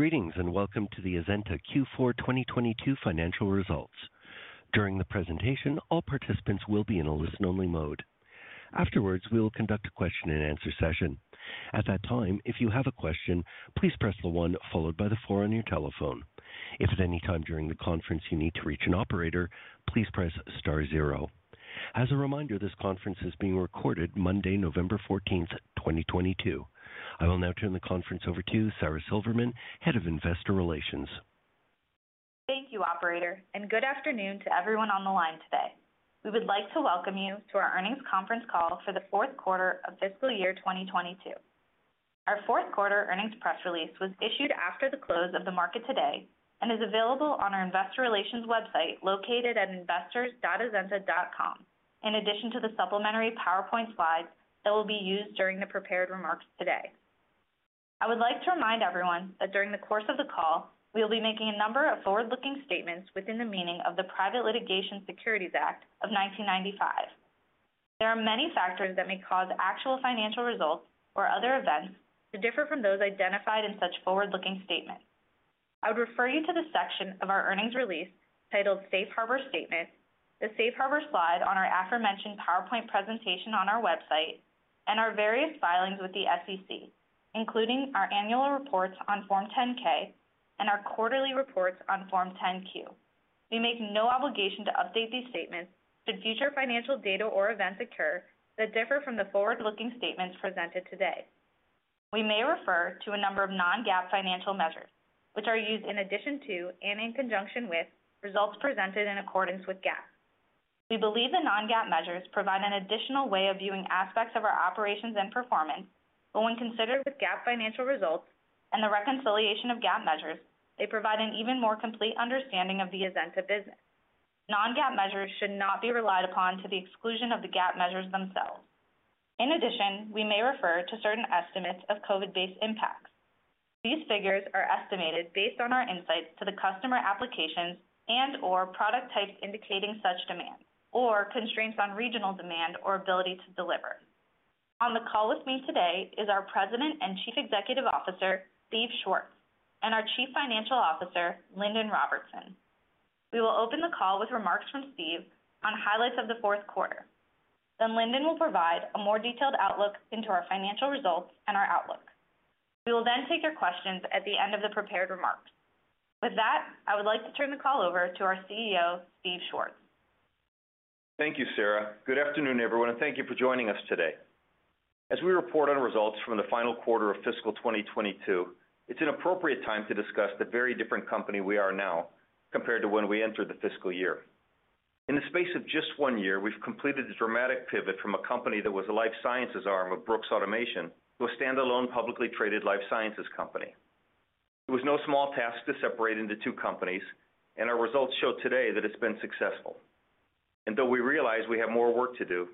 Greetings, and welcome to the Azenta Q4 2022 financial results. During the presentation, all participants will be in a listen-only mode. Afterwards, we will conduct a question-and-answer session. At that time, if you have a question, please press the one followed by the four on your telephone. If at any time during the conference you need to reach an operator, please press star zero. As a reminder, this conference is being recorded Monday, November 14, 2022. I will now turn the conference over to Sara Silverman, Head of Investor Relations. Thank you, operator, and good afternoon to everyone on the line today. We would like to welcome you to our Earnings Conference Call for the Q4 of FY2022. Our Q4 earnings press release was issued after the close of the market today and is available on our Investor Relations website located at investors.azenta.com, in addition to the PowerPoint slides that will be used during the prepared remarks today. I would like to remind everyone that during the course of the call, we will be making a number of forward-looking statements within the meaning of the Private Securities Litigation Reform Act of 1995. There are many factors that may cause actual financial results or other events to differ from those identified in such forward-looking statements. I would refer you to the section of our earnings release titled Safe Harbor Statement, the Safe Harbor slide on our PowerPoint presentation on our website, and our various filings with the SEC, including our annual reports on Form 10-K and our quarterly reports on Form 10-Q. We make no obligation to update these statements should future financial data or events occur that differ from the forward-looking statements presented today. We may refer to a number of non-GAAP financial measures, which are used in addition to, and in conjunction with, results presented in accordance with GAAP. We believe the non-GAAP measures provide an additional way of viewing aspects of our operations and performance, but when considered with GAAP financial results and the reconciliation of GAAP measures, they provide an even more complete understanding of the Azenta business. Non-GAAP measures should not be relied upon to the exclusion of the GAAP measures themselves. In addition, we may refer to certain estimates of COVID-19 based impacts. These figures are estimated based on our insights to the customer applications and/or product types indicating such demand or constraints on regional demand or ability to deliver. On the call with me today is our President and Chief Executive Officer, Stephen Schwartz, and our Chief Financial Officer, Lindon Robertson. We will open the call with remarks from Steve on highlights of the Q4. Lindon will provide a more detailed outlook into our financial results and our outlook. We will then take your questions at the end of the prepared remarks. With that, I would like to turn the call over to our CEO, Stephen Schwartz. Thank you, Sara. Good afternoon, everyone, and thank you for joining us today. As we report on results from the final quarter of FY2022, it's an appropriate time to discuss the very different company we are now compared to when we entered the fiscal year. In the space of just one year, we've completed a dramatic pivot from a company that was a Life Sciences arm of Brooks Automation to a standalone publicly traded Life Sciences company. It was no small task to separate into two companies, and our results show today that it's been successful. Though we realize we have more work to do,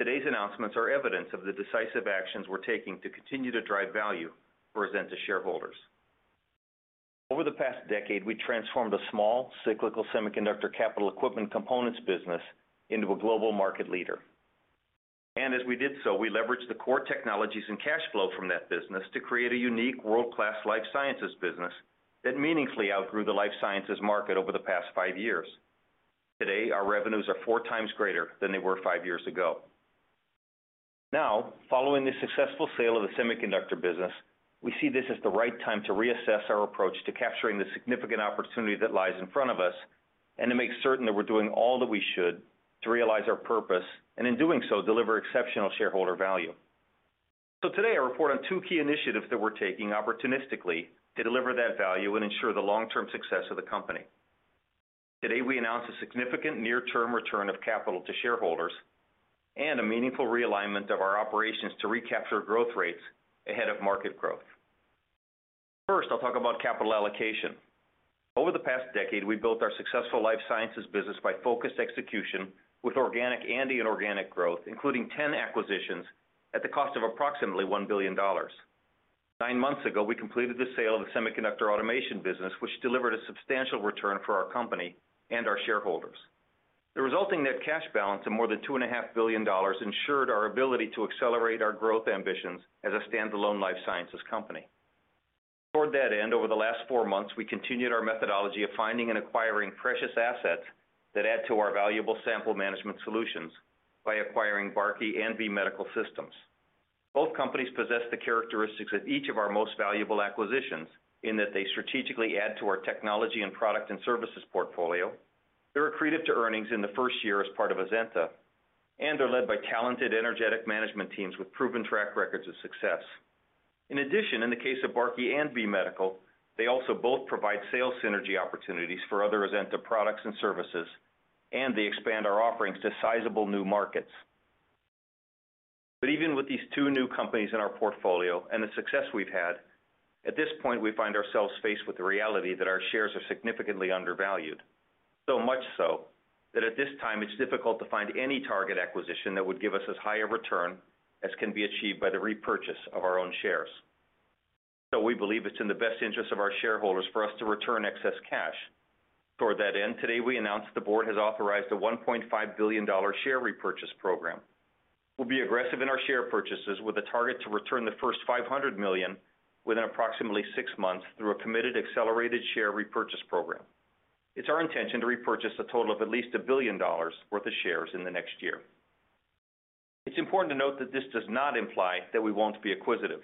today's announcements are evidence of the decisive actions we're taking to continue to drive value for Azenta shareholders. Over the past decade, we transformed a small cyclical semiconductor capital equipment components business into a global market leader. As we did so, we leveraged the core technologies and cash flow from that business to create a unique world-class Life Sciences business that meaningfully outgrew the Life Sciences market over the past five years. Today, our revenues are four times greater than they were five years ago. Now, following the successful sale of the semiconductor business, we see this as the right time to reassess our approach to capturing the significant opportunity that lies in front of us and to make certain that we're doing all that we should to realize our purpose, and in doing so, deliver exceptional shareholder value. Today, I report on two key initiatives that we're taking opportunistically to deliver that value and ensure the long-term success of the company. Today, we announced a significant near-term return of capital to shareholders and a meaningful realignment of our operations to recapture growth rates ahead of market growth. First, I'll talk about capital allocation. Over the past decade, we built our successful Life Sciences business by focused execution with organic and inorganic growth, including 10 acquisitions at the cost of approximately $1 billion. Nine months ago, we completed the sale of the Semiconductor Automation business, which delivered a substantial return for our company and our shareholders. The resulting net cash balance of more than $2.5 billion ensured our ability to accelerate our growth ambitions as a standalone Life Sciences company. Toward that end, over the last four months, we continued our methodology of finding and acquiring precious assets that add to our valuable Sample Management Solutions by acquiring Barkey and B Medical Systems. Both companies possess the characteristics of each of our most valuable acquisitions in that they strategically add to our technology and product and services portfolio. They're accretive to earnings in the first year as part of Azenta and are led by talented, energetic management teams with proven track records of success. In addition, in the case of Barkey and B Medical Systems, they also both provide sales synergy opportunities for other Azenta products and services, and they expand our offerings to sizable new markets. Even with these two new companies in our portfolio and the success we've had, at this point, we find ourselves faced with the reality that our shares are significantly undervalued, so much so that at this time it's difficult to find any target acquisition that would give us as high a return as can be achieved by the repurchase of our own shares. We believe it's in the best interest of our shareholders for us to return excess cash. Toward that end, today we announced the board has authorized a $1.5 billion share repurchase program. We'll be aggressive in our share purchases with a target to return the first $500 million within approximately six months through a committed accelerated share repurchase program. It's our intention to repurchase a total of at least $1 billion worth of shares in the next year. It's important to note that this does not imply that we won't be acquisitive.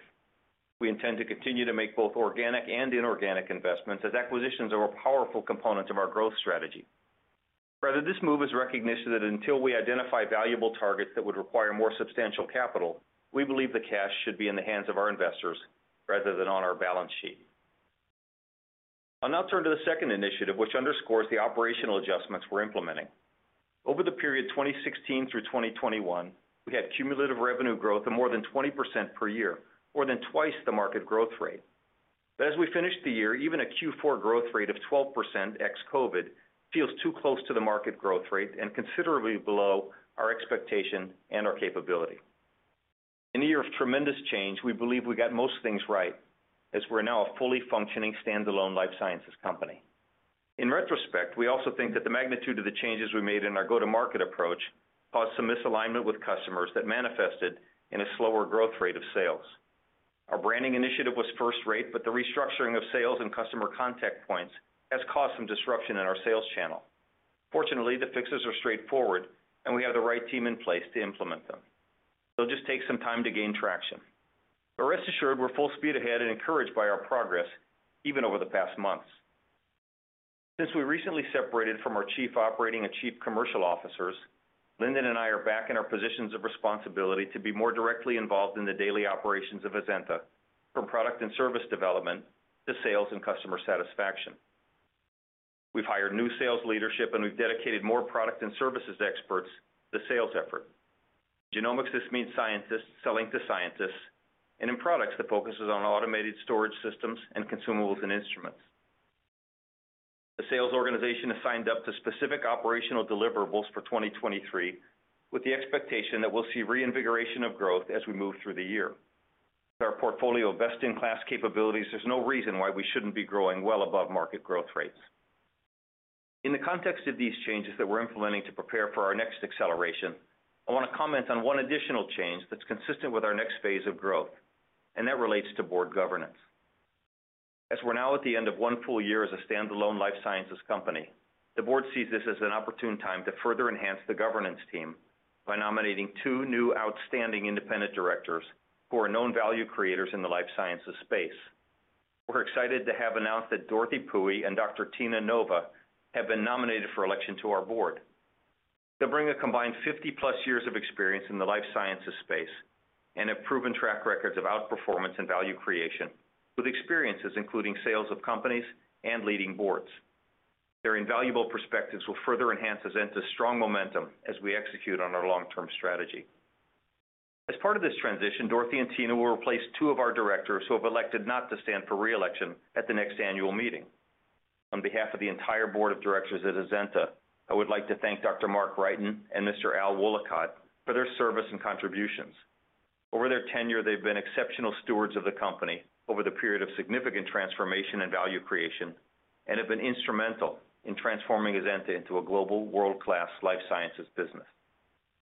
We intend to continue to make both organic and inorganic investments as acquisitions are a powerful component of our growth strategy. Rather, this move is recognition that until we identify valuable targets that would require more substantial capital, we believe the cash should be in the hands of our investors rather than on our balance sheet. I'll now turn to the second initiative, which underscores the operational adjustments we're implementing. Over the period 2016 through 2021, we had cumulative revenue growth of more than 20% per year, more than twice the market growth rate. As we finished the year, even a Q4 growth rate of 12% ex-COVID-19 feels too close to the market growth rate and considerably below our expectation and our capability. In a year of tremendous change, we believe we got most things right as we're now a fully functioning standalone Life Sciences company. In retrospect, we also think that the magnitude of the changes we made in our go-to-market approach caused some misalignment with customers that manifested in a slower growth rate of sales. Our branding initiative was first rate, but the restructuring of sales and customer contact points has caused some disruption in our sales channel. Fortunately, the fixes are straightforward, and we have the right team in place to implement them. They'll just take some time to gain traction. Rest assured, we're full speed ahead and encouraged by our progress even over the past months. Since we recently separated from our Chief Operating and Chief Commercial Officers, Lindon and I are back in our positions of responsibility to be more directly involved in the daily operations of Azenta, from product and service development to sales and customer satisfaction. We've hired new sales leadership, and we've dedicated more product and services experts to the sales effort. In genomics, this means scientists selling to scientists, and in products, the focus is on automated storage systems and consumables and instruments. The sales organization has signed up to specific operational deliverables for 2023, with the expectation that we'll see reinvigoration of growth as we move through the year. With our portfolio of best-in-class capabilities, there's no reason why we shouldn't be growing well above market growth rates. In the context of these changes that we're implementing to prepare for our next acceleration, I want to comment on one additional change that's consistent with our next phase of growth, and that relates to board governance. As we're now at the end of one full-year as a standalone Life Sciences company, the board sees this as an opportune time to further enhance the governance team by nominating two new outstanding independent directors who are known value creators in the Life Sciences space. We're excited to have announced that Dorothy Puhy and Dr. Tina Nova have been nominated for election to our board. They'll bring a combined 50+ years of experience in the Life Sciences space and have proven track records of outperformance and value creation, with experiences including sales of companies and leading boards. Their invaluable perspectives will further enhance Azenta's strong momentum as we execute on our long-term strategy. As part of this transition, Dorothy and Tina will replace two of our directors who have elected not to stand for re-election at the next annual meeting. On behalf of the entire board of directors at Azenta, I would like to thank Dr. Mark Wrighton and Mr. Alfred Woollacott, III for their service and contributions. Over their tenure, they've been exceptional stewards of the company over the period of significant transformation and value creation and have been instrumental in transforming Azenta into a global world-class Life Sciences business.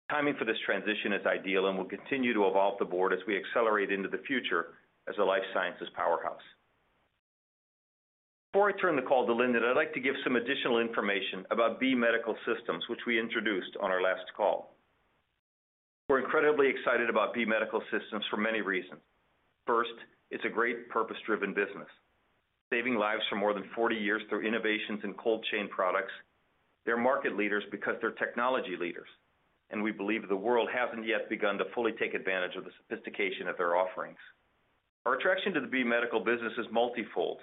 The timing for this transition is ideal, and we'll continue to evolve the board as we accelerate into the future as a Life Sciences powerhouse. Before I turn the call to Lindon, I'd like to give some additional information about B Medical Systems, which we introduced on our last call. We're incredibly excited about B Medical Systems or many reasons. First, it's a great purpose-driven business. Saving lives for more than 40 years through innovations in cold chain products, they're market leaders because they're technology leaders, and we believe the world hasn't yet begun to fully take advantage of the sophistication of their offerings. Our attraction to the B Medical Systems business is multifold.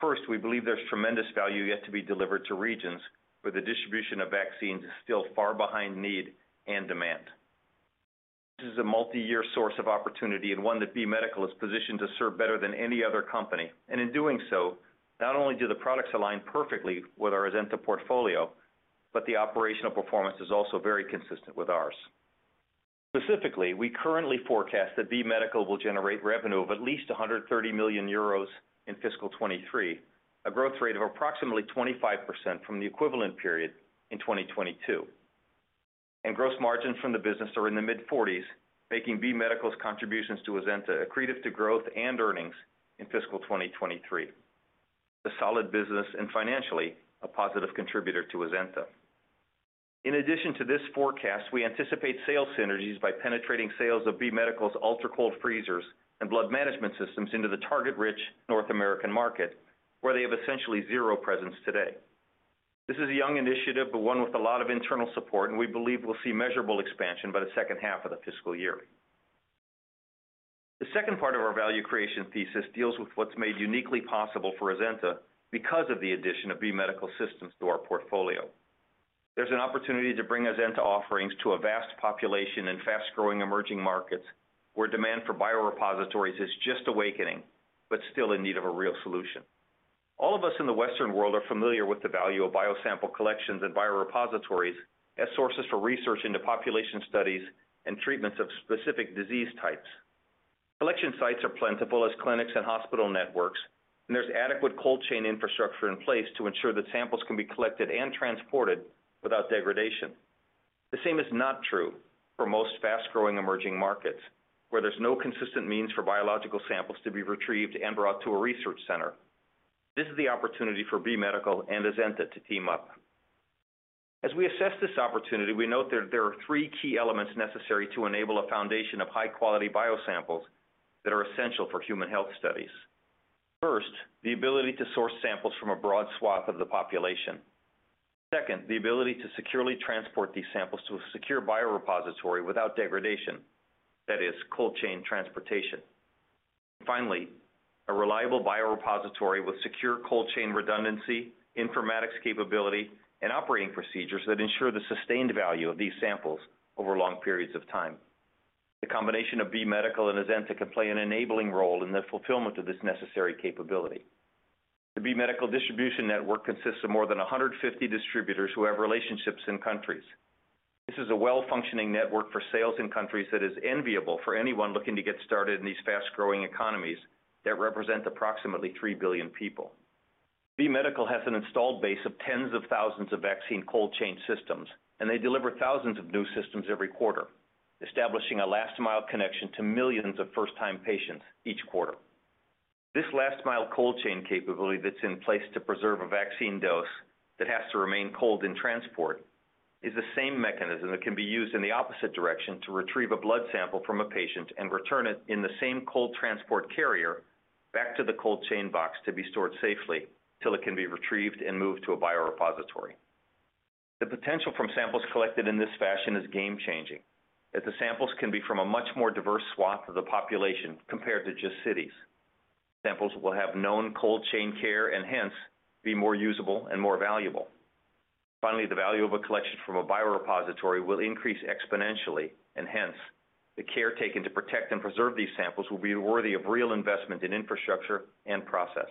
First, we believe there's tremendous value yet to be delivered to regions where the distribution of vaccines is still far behind need and demand. This is a multiyear source of opportunity and one that B Medical Systems is positioned to serve better than any other company. In doing so, not only do the products align perfectly with our Azenta portfolio, but the operational performance is also very consistent with ours. Specifically, we currently forecast that B Medical Systems will generate revenue of at least 130 million euros in FY2023, a growth rate of approximately 25% from the equivalent period in 2022. Gross margins from the business are in the mid-40s%, making B Medical System's contributions to Azenta accretive to growth and earnings in FY2023. It's a solid business and financially a positive contributor to Azenta. In addition to this forecast, we anticipate sales synergies by penetrating sales of B Medical System's ultra-cold freezers and blood management systems into the target-rich North American market, where they have essentially zero presence today. This is a young initiative, but one with a lot of internal support, and we believe we'll see measurable expansion by the H2 of the fiscal year. The second part of our value creation thesis deals with what's made uniquely possible for Azenta because of the addition of B Medical Systems to our portfolio. There's an opportunity to bring Azenta offerings to a vast population in fast-growing emerging markets where demand for biorepositories is just awakening, but still in need of a real solution. All of us in the Western world are familiar with the value of biosample collections and biorepositories as sources for research into population studies and treatments of specific disease types. Collection sites are plentiful as clinics and hospital networks, and there's adequate cold chain infrastructure in place to ensure that samples can be collected and transported without degradation. The same is not true for most fast-growing emerging markets, where there's no consistent means for biological samples to be retrieved and brought to a research center. This is the opportunity for B Medical Systems and Azenta to team up. As we assess this opportunity, we note that there are three key elements necessary to enable a foundation of high-quality biosamples that are essential for human health studies. First, the ability to source samples from a broad swath of the population. Second, the ability to securely transport these samples to a secure biorepository without degradation, that is cold chain transportation. Finally, a reliable biorepository with secure cold chain redundancy, informatics capability, and operating procedures that ensure the sustained value of these samples over long periods of time. The combination of B Medical Systems and Azenta can play an enabling role in the fulfillment of this necessary capability. The B Medical Systems distribution network consists of more than 150 distributors who have relationships in countries. This is a well-functioning network for sales in countries that is enviable for anyone looking to get started in these fast-growing economies that represent approximately 3 billion people. B Medical Systems has an installed base of tens of thousands of vaccine cold chain systems, and they deliver thousands of new systems every quarter, establishing a last-mile connection to millions of first-time patients each quarter. This last-mile cold chain capability that's in place to preserve a vaccine dose that has to remain cold in transport is the same mechanism that can be used in the opposite direction to retrieve a blood sample from a patient and return it in the same cold transport carrier back to the cold chain box to be stored safely till it can be retrieved and moved to a biorepository. The potential from samples collected in this fashion is game-changing, as the samples can be from a much more diverse swath of the population compared to just cities. Samples will have known cold chain care and hence, be more usable and more valuable. Finally, the value of a collection from a biorepository will increase exponentially and hence, the care taken to protect and preserve these samples will be worthy of real investment in infrastructure and process.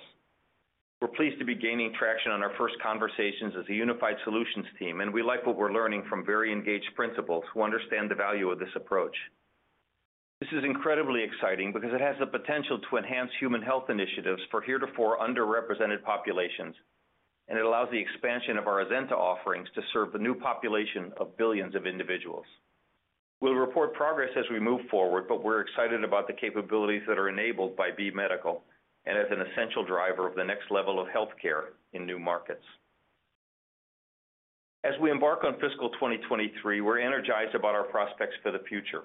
We're pleased to be gaining traction on our first conversations as a unified solutions team, and we like what we're learning from very engaged principals who understand the value of this approach. This is incredibly exciting because it has the potential to enhance human health initiatives for heretofore underrepresented populations, and it allows the expansion of our Azenta offerings to serve the new population of billions of individuals. We'll report progress as we move forward, but we're excited about the capabilities that are enabled by B Medical Systems and as an essential driver of the next level of healthcare in new markets. As we embark on fiscal 2023, we're energized about our prospects for the future.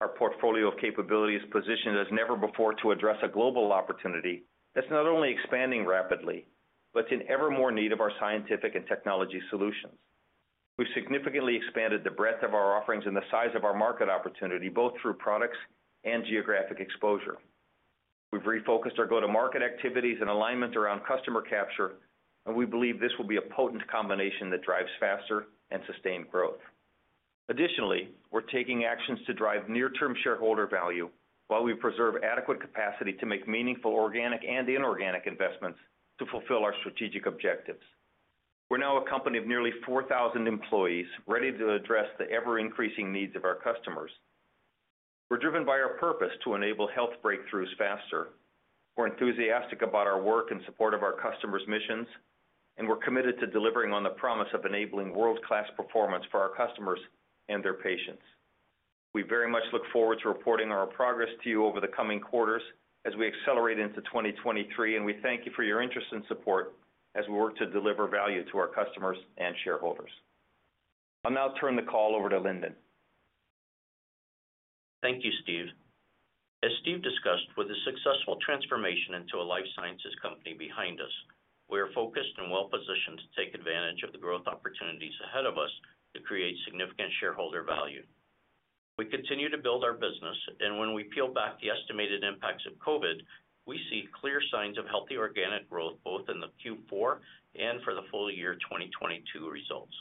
Our portfolio of capabilities positioned as never before to address a global opportunity that's not only expanding rapidly, but it's in evermore need of our scientific and technology solutions. We've significantly expanded the breadth of our offerings and the size of our market opportunity, both through products and geographic exposure. We've refocused our go-to-market activities and alignment around customer capture, and we believe this will be a potent combination that drives faster and sustained growth. Additionally, we're taking actions to drive near-term shareholder value while we preserve adequate capacity to make meaningful organic and inorganic investments to fulfill our strategic objectives. We're now a company of nearly 4,000 employees ready to address the ever-increasing needs of our customers. We're driven by our purpose to enable health breakthroughs faster. We're enthusiastic about our work in support of our customers' missions, and we're committed to delivering on the promise of enabling world-class performance for our customers and their patients. We very much look forward to reporting our progress to you over the coming quarters as we accelerate into 2023, and we thank you for your interest and support as we work to deliver value to our customers and shareholders. I'll now turn the call over to Lindon. Thank you, Steve. As Steve discussed, with the successful transformation into a Life Sciences company behind us, we are focused and well-positioned to take advantage of the growth opportunities ahead of us to create significant shareholder value. We continue to build our business, and when we peel back the estimated impacts of COVID, we see clear signs of healthy organic growth both in the Q4 and for the full year 2022 results.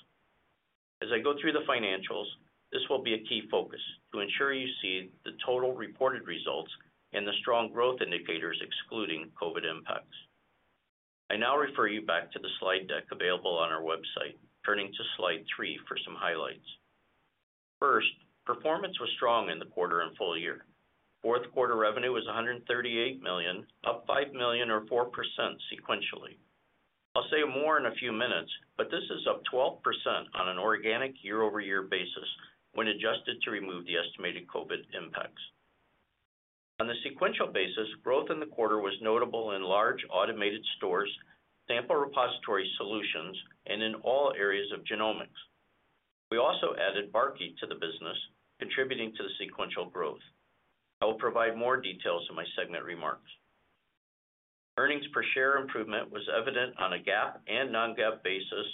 As I go through the financials, this will be a key focus to ensure you see the total reported results and the strong growth indicators excluding COVID impacts. I now refer you back to the slide deck available on our website, turning to slide 3 for some highlights. First, performance was strong in the quarter and full year. Fourth quarter revenue was $138 million, up $5 million or 4% sequentially. I'll say more in a few minutes, but this is up 12% on an organic year-over-year basis when adjusted to remove the estimated COVID impacts. On a sequential basis, growth in the quarter was notable in large automated stores, Sample Repository Solutions, and in all areas of genomics. We also added Barkey to the business, contributing to the sequential growth. I will provide more details in my segment remarks. Earnings per share improvement was evident on a GAAP and non-GAAP basis.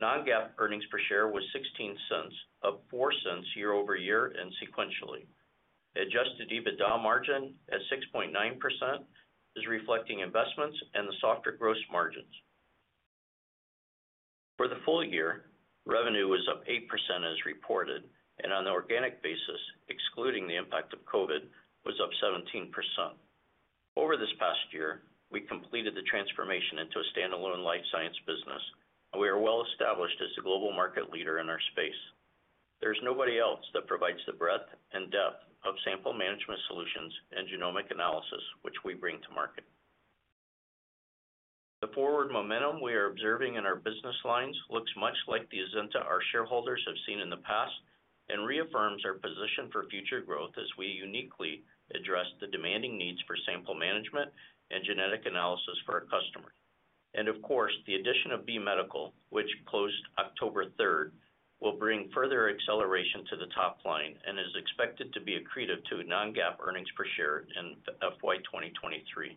Non-GAAP earnings per share was $0.16, up $0.04 year-over-year and sequentially. Adjusted EBITDA margin at 6.9% is reflecting investments and the softer gross margins. For the full year, revenue was up 8% as reported, and on an organic basis, excluding the impact of COVID, was up 17%. We completed the transformation into a standalone life science business, and we are well established as the global market leader in our space. There's nobody else that provides the breadth and depth of sample management solutions and genomic analysis, which we bring to market. The forward momentum we are observing in our business lines looks much like the Azenta our shareholders have seen in the past, and reaffirms our position for future growth as we uniquely address the demanding needs for sample management and genetic analysis for our customers. Of course, the addition of B Medical Systems, which closed October third, will bring further acceleration to the top line and is expected to be accretive to non-GAAP earnings per share in FY 2023.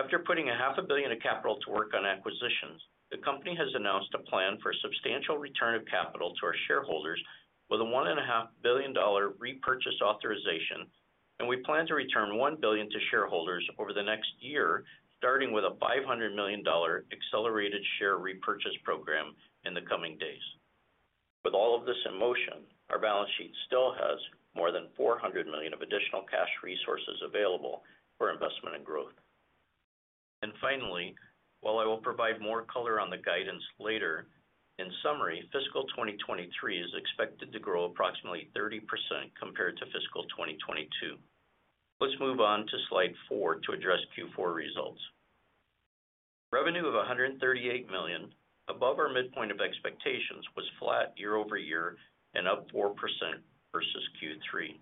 After putting half a billion dollars of capital to work on acquisitions, the company has announced a plan for substantial return of capital to our shareholders with a $1.5 billion repurchase authorization, and we plan to return $1 billion to shareholders over the next year, starting with a $500 million accelerated share repurchase program in the coming days. With all of this in motion, our balance sheet still has more than $400 million of additional cash resources available for investment and growth. Finally, while I will provide more color on the guidance later, in summary, fiscal 2023 is expected to grow approximately 30% compared to fiscal 2022. Let's move on to slide 4 to address Q4 results. Revenue of $138 million, above our midpoint of expectations, was flat year-over-year and up 4% versus Q3.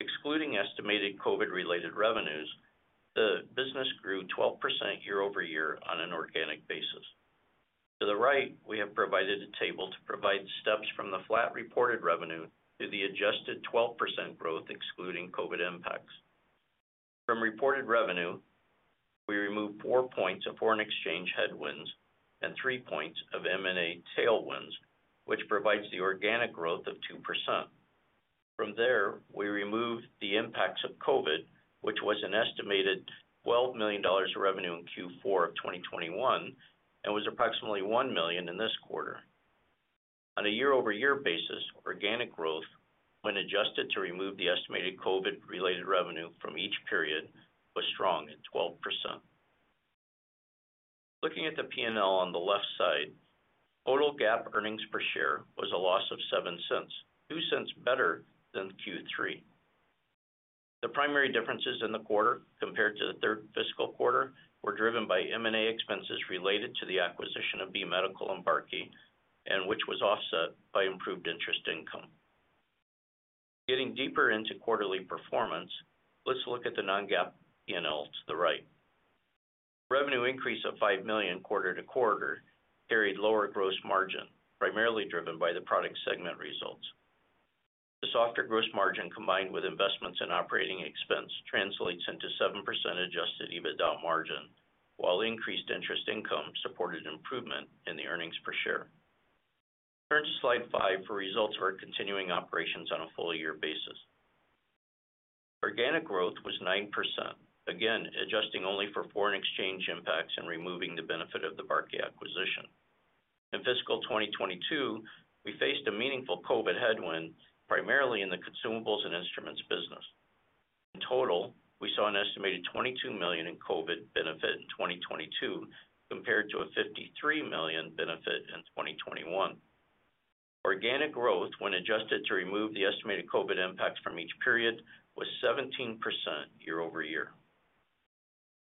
Excluding estimated COVID-related revenues, the business grew 12% year-over-year on an organic basis. To the right, we have provided a table to provide steps from the flat reported revenue to the adjusted 12% growth excluding COVID impacts. From reported revenue, we removed four points of foreign exchange headwinds and three points of M&A tailwinds, which provides the organic growth of 2%. From there, we removed the impacts of COVID, which was an estimated $12 million of revenue in Q4 of 2021, and was approximately $1 million in this quarter. On a year-over-year basis, organic growth, when adjusted to remove the estimated COVID-related revenue from each period, was strong at 12%. Looking at the P&L on the left side, total GAAP earnings per share was a loss of $0.07, $0.02 better than Q3. The primary differences in the quarter, compared to the third fiscal quarter, were driven by M&A expenses related to the acquisition of B Medical Systems and Barkey, which was offset by improved interest income. Getting deeper into quarterly performance, let's look at the non-GAAP P&L to the right. Revenue increase of $5 million quarter-over-quarter carried lower gross margin, primarily driven by the product segment results. The softer gross margin, combined with investments in operating expense, translates into 7% adjusted EBITDA margin, while increased interest income supported improvement in the earnings per share. Turn to slide 5 for results of our continuing operations on a full year basis. Organic growth was 9%, again, adjusting only for foreign exchange impacts and removing the benefit of the Barkey acquisition. In fiscal 2022, we faced a meaningful COVID headwind, primarily in the consumables and instruments business. In total, we saw an estimated $22 million in COVID benefit in 2022, compared to a $53 million benefit in 2021. Organic growth, when adjusted to remove the estimated COVID impacts from each period, was 17% year-over-year.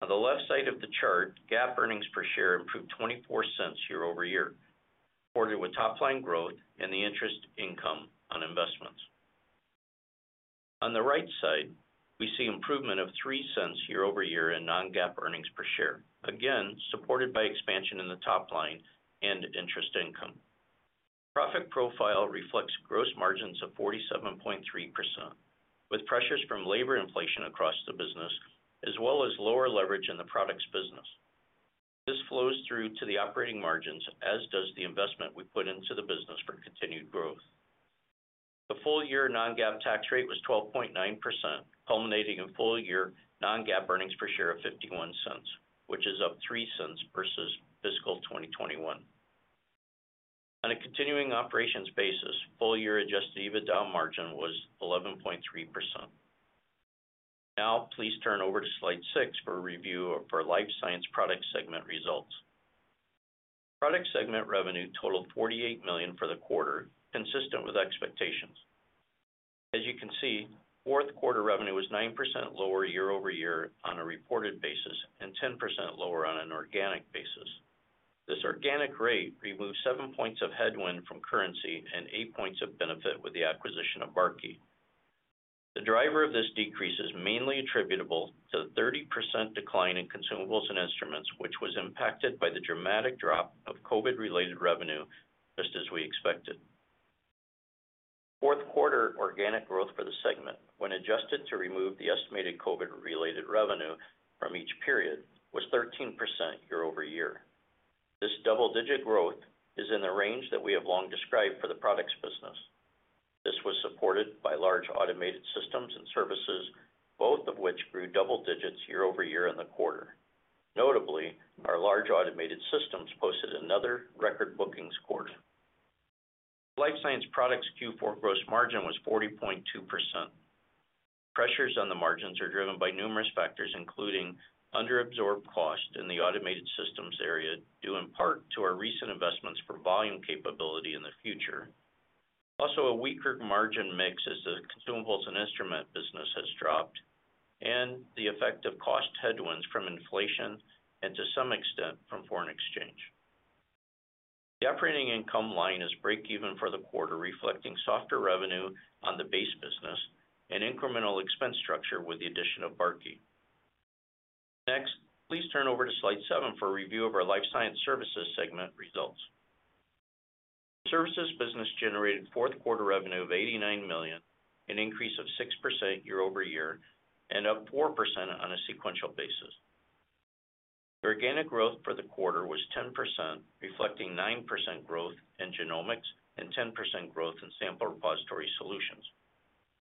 On the left side of the chart, GAAP earnings per share improved $0.24 year-over-year, supported with top line growth and the interest income on investments. On the right side, we see improvement of $0.03 year-over-year in non-GAAP earnings per share, again, supported by expansion in the top line and interest income. Profit profile reflects gross margins of 47.3%, with pressures from labor inflation across the business, as well as lower leverage in the products business. This flows through to the operating margins, as does the investment we put into the business for continued growth. The full year non-GAAP tax rate was 12.9%, culminating in full year non-GAAP EPS of $0.51, which is up $0.03 versus fiscal 2021. On a continuing operations basis, full year adjusted EBITDA margin was 11.3%. Now, please turn over to slide 6 for a review of our Life Sciences Products segment results. Product segment revenue totaled $48 million for the quarter, consistent with expectations. As you can see, Q4 revenue was 9% lower year-over-year on a reported basis, and 10% lower on an organic basis. This organic rate removes 7 points of headwind from currency and 8 points of benefit with the acquisition of Barkey. The driver of this decrease is mainly attributable to the 30% decline in consumables and instruments, which was impacted by the dramatic drop of COVID-related revenue, just as we expected. Fourth quarter organic growth for the segment, when adjusted to remove the estimated COVID-related revenue from each period, was 13% year-over-year. This double-digit growth is in the range that we have long described for the products business. This was supported by large automated systems and services, both of which grew double digits year-over-year in the quarter. Notably, our large automated systems posted another record bookings quarter. Life Sciences Products Q4 gross margin was 40.2%. Pressures on the margins are driven by numerous factors, including under-absorbed cost in the automated systems area, due in part to our recent investments for volume capability in the future. A weaker margin mix as the Consumables and Instruments business has dropped, and the effect of cost headwinds from inflation and to some extent from foreign exchange. The operating income line is break-even for the quarter, reflecting softer revenue on the base business and incremental expense structure with the addition of Barkey. Next, please turn to slide 7 for a review of our Life Sciences Services segment results. Services business generated Q4 revenue of $89 million, an increase of 6% year-over-year, and up 4% on a sequential basis. The organic growth for the quarter was 10%, reflecting 9% growth in genomics and 10% growth in Sample Repository Solutions.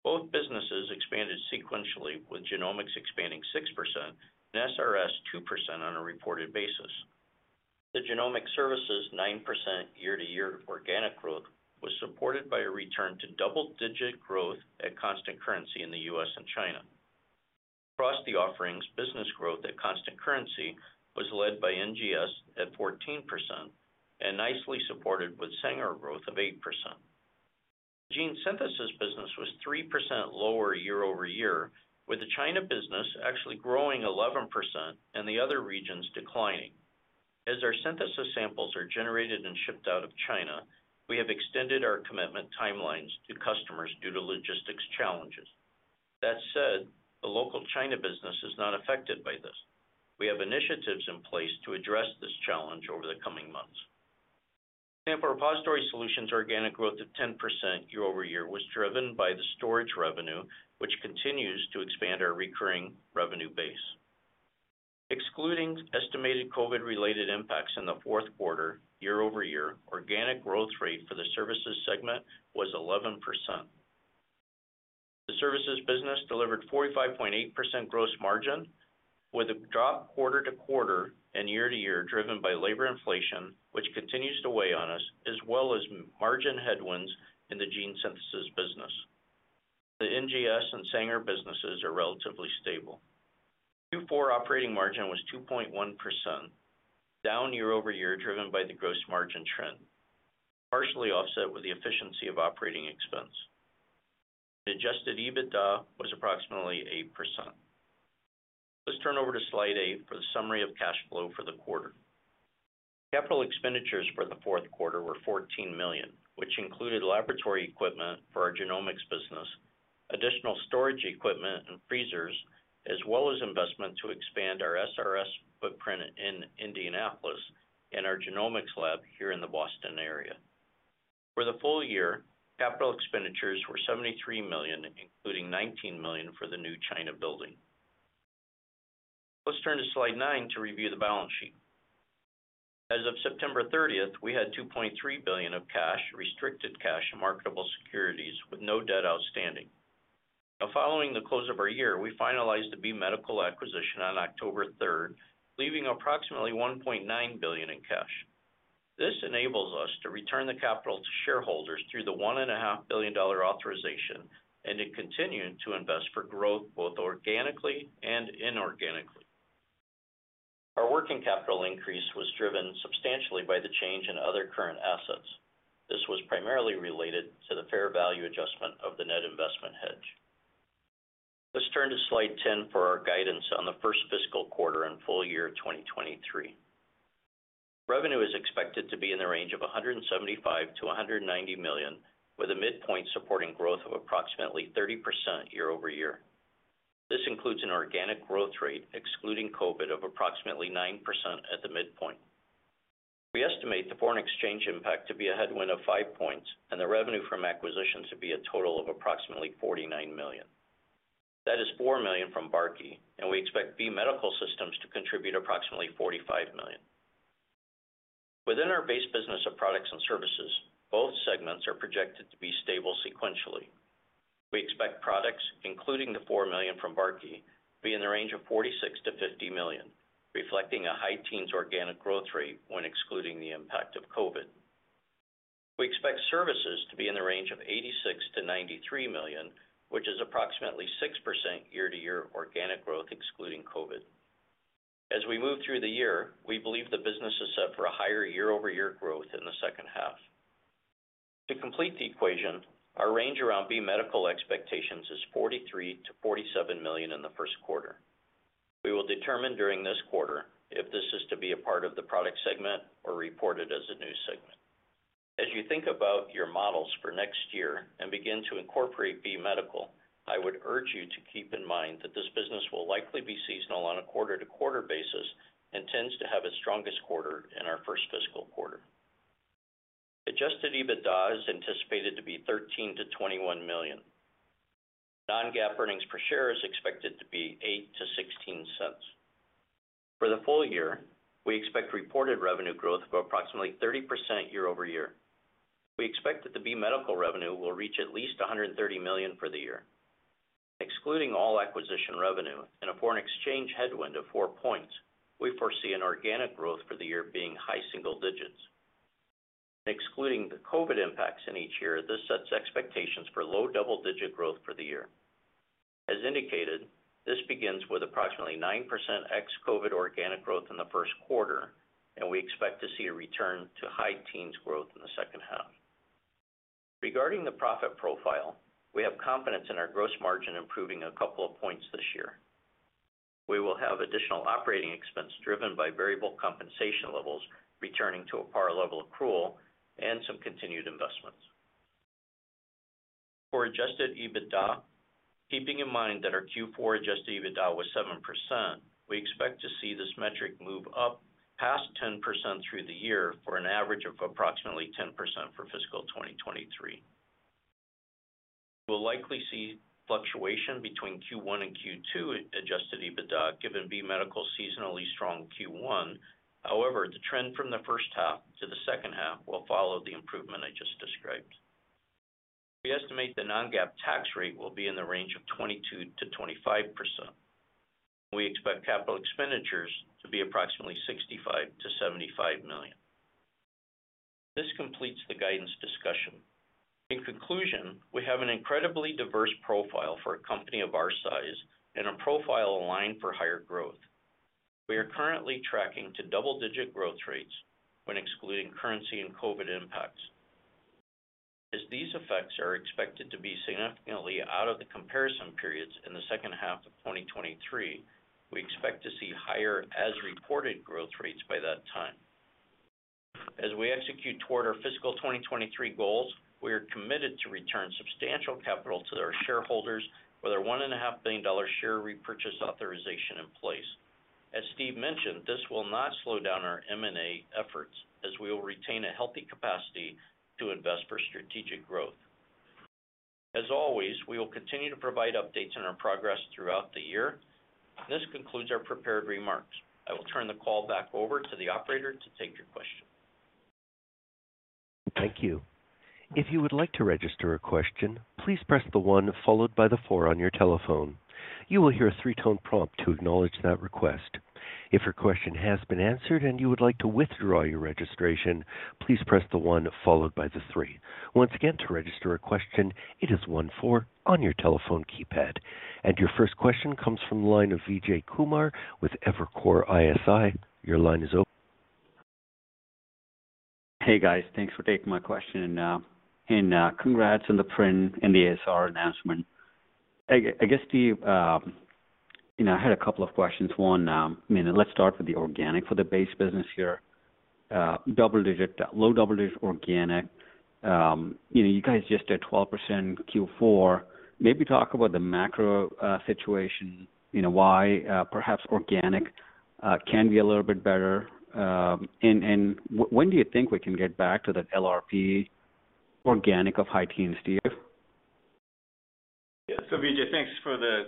Both businesses expanded sequentially, with genomics expanding 6% and SRS 2% on a reported basis. The genomic services 9% year-over-year organic growth was supported by a return to double-digit growth at constant currency in the US and China. Across the offerings, business growth at constant currency was led by NGS at 14% and nicely supported with Sanger growth of 8%. Gene synthesis business was 3% lower year-over-year, with the China business actually growing 11% and the other regions declining. As our synthesis samples are generated and shipped out of China, we have extended our commitment timelines to customers due to logistics challenges. That said, the local China business is not affected by this. We have initiatives in place to address this challenge over the coming months. Sample Repository Solutions organic growth of 10% year-over-year was driven by the storage revenue, which continues to expand our recurring revenue base. Excluding estimated COVID-related impacts in the Q4 year-over-year, organic growth rate for the services segment was 11%. The services business delivered 45.8% gross margin, with a drop quarter-to-quarter and year-to-year driven by labor inflation, which continues to weigh on us, as well as margin headwinds in the Gene Synthesis business. The NGS and Sanger businesses are relatively stable. Q4 operating margin was 2.1%, down year-over-year driven by the gross margin trend, partially offset with the efficiency of operating expense. The adjusted EBITDA was approximately 8%. Let's turn to slide eight for the summary of cash flow for the quarter. Capital expenditures for the Q4 were $14 million, which included laboratory equipment for our genomics business, additional storage equipment and freezers, as well as investment to expand our SRS footprint in Indianapolis and our genomics lab here in the Boston area. For the full year, capital expenditures were $73 million, including $19 million for the new China building. Let's turn to slide 9 to review the balance sheet. As of September 30th, we had $2.3 billion of cash, restricted cash and marketable securities with no debt outstanding. Now, following the close of our year, we finalized the B Medical Systems acquisition on October 3rd, leaving approximately $1.9 billion in cash. This enables us to return the capital to shareholders through the $1.5 billion authorization and to continue to invest for growth both organically and inorganically. Our working capital increase was driven substantially by the change in other current assets. This was primarily related to the fair value adjustment of the net investment hedge. Let's turn to slide 10 for our guidance on the first fiscal quarter and full-year 2023. Revenue is expected to be in the range of $175 million-$190 million, with a midpoint supporting growth of approximately 30% year-over-year. This includes an organic growth rate excluding COVID of approximately 9% at the midpoint. We estimate the foreign exchange impact to be a headwind of 5 points and the revenue from acquisitions to be a total of approximately $49 million. That is $4 million from Barkey, and we expect B Medical Systems to contribute approximately $45 million. Within our base business of products and services, both segments are projected to be stable sequentially. We expect products, including the $4 million from Barkey, to be in the range of $46 million-$50 million, reflecting a high teens organic growth rate when excluding the impact of COVID-19. We expect services to be in the range of $86 million-$93 million, which is approximately 6% year-over-year organic growth excluding COVID. As we move through the year, we believe the business is set for a higher year-over-year growth in the H2. To complete the equation, our range around B Medical Systems expectations is $43 million-$47 million in the Q1. We will determine during this quarter if this is to be a part of the product segment or reported as a new segment. As you think about your models for next year and begin to incorporate B Medical Systems, I would urge you to keep in mind that this business will likely be seasonal on a quarter-to-quarter basis and tends to have its strongest quarter in our first fiscal quarter. Adjusted EBITDA is anticipated to be $13 million-$21 million. Non-GAAP earnings per share is expected to be $0.08-$0.16. For the full-year, we expect reported revenue growth of approximately 30% year-over-year. We expect that the B Medical Systems revenue will reach at least 130 million for the year. Excluding all acquisition revenue and a foreign exchange headwind of four points, we foresee an organic growth for the year being high single digits. Excluding the COVID-19 impacts in each year, this sets expectations for low double-digit growth for the year. As indicated, this begins with approximately 9% ex-COVID-19 organic growth in the Q1, and we expect to see a return to high teens growth in the H2. Regarding the profit profile, we have confidence in our gross margin improving a couple of points this year. We will have additional operating expense driven by variable compensation levels returning to a par level accrual and some continued investments. For adjusted EBITDA, keeping in mind that our Q4 adjusted EBITDA was 7%, we expect to see this metric move up past 10% through the year for an average of approximately 10% for FY2023. We'll likely see fluctuation between Q1 and Q2 adjusted EBITDA, given B Medical Systems seasonally strong Q1. However, the trend from the H1 to the H2 will follow the improvement I just described. We estimate the non-GAAP tax rate will be in the range of 22%-25%. We expect capital expenditures to be approximately $65 million-$75 million. This completes the guidance discussion. In conclusion, we have an incredibly diverse profile for a company of our size and a profile aligned for higher growth. We are currently tracking to double-digit growth rates when excluding currency and COVID-19 impacts. As these effects are expected to be significantly out of the comparison periods in the H2 of 2023, we expect to see higher as-reported growth rates by that time. As we execute toward our FY2023 goals, we are committed to return substantial capital to our shareholders with our $1.5 billion share repurchase authorization in place. As Steve mentioned, this will not slow down our M&A efforts as we will retain a healthy capacity to invest for strategic growth. As always, we will continue to provide updates on our progress throughout the year. This concludes our prepared remarks. I will turn the call back over to the operator to take your question. Thank you. If you would like to register a question, please press the one followed by the four on your telephone. You will hear a three-tone prompt to acknowledge that request. If your question has been answered and you would like to withdraw your registration, please press the one followed by the three. Once again, to register a question, it is one four on your telephone keypad. Your first question comes from the line of Vijay Kumar with Evercore ISI. Your line is open. Hey guys, thanks for taking my question. Congrats on the print and the ASR announcement. I guess, Steve, you know, I had a couple of questions. One, I mean, let's start with the organic for the base business here. Double-digit, low double-digit organic. You know, you guys just did 12% Q4. Maybe talk about the macro situation, you know, why perhaps organic can be a little bit better. When do you think we can get back to that LRP organic of high teens, Steve? Yeah. Vijay, thanks for the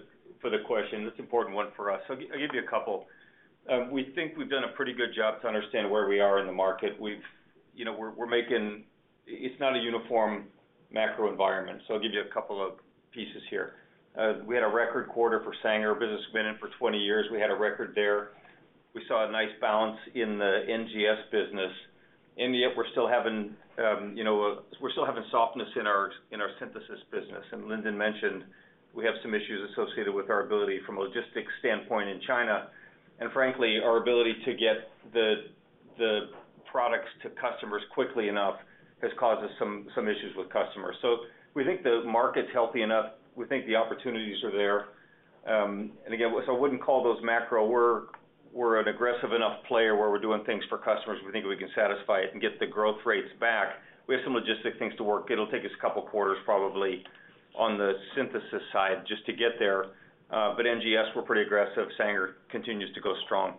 question. That's an important one for us. I'll give you a couple. We think we've done a pretty good job to understand where we are in the market. You know, it's not a uniform macro environment, so I'll give you a couple of pieces here. We had a record quarter for Sanger. Our business has been in for 20 years. We had a record there. We saw a nice balance in the NGS business. Yet we're still having, you know, we're still having softness in our synthesis business. Lindon mentioned we have some issues associated with our ability from a logistics standpoint in China. Frankly, our ability to get the products to customers quickly enough has caused us some issues with customers. We think the market's healthy enough. We think the opportunities are there. I wouldn't call those macro. We're an aggressive enough player where we're doing things for customers, we think we can satisfy it and get the growth rates back. We have some logistic things to work. It'll take us a couple quarters probably on the synthesis side just to get there. But NGS, we're pretty aggressive. Sanger continues to go strong.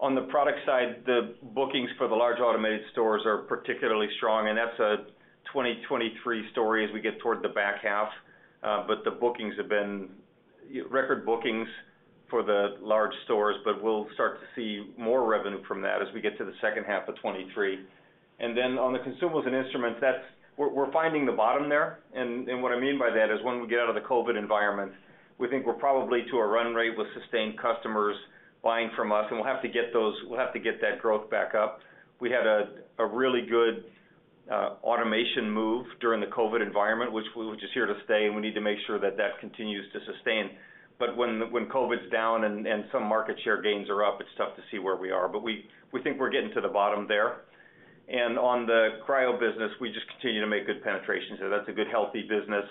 On the product side, the bookings for the large automated stores are particularly strong, and that's a 2023 story as we get toward the back half. But the bookings have been, you know, record bookings for the large stores, but we'll start to see more revenue from that as we get to the H2 of 2023. On the Consumables & Instruments, that's where we're finding the bottom there. What I mean by that is when we get out of the COVID-19-19 environment, we think we're probably to a run rate with sustained customers buying from us, and we'll have to get that growth back up. We had a really good automation move during the COVID environment, which is here to stay, and we need to make sure that continues to sustain. When COVID-19s down and some market share gains are up, it's tough to see where we are. We think we're getting to the bottom there. On the cryo business, we just continue to make good penetrations there. That's a good, healthy business.